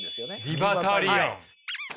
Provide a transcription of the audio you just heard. リバタリアン。